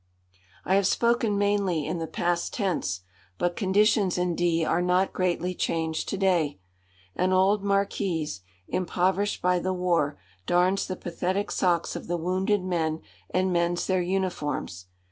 I have spoken mainly in the past tense, but conditions in D are not greatly changed to day. An old marquise, impoverished by the war, darns the pathetic socks of the wounded men and mends their uniforms.